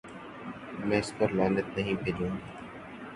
میں اس پر لعنت نہیں بھیجوں گا۔